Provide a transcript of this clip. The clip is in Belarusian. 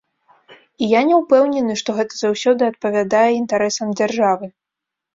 І я не ўпэўнены, што гэта заўсёды адпавядае інтарэсам дзяржавы.